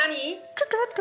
ちょっと待って。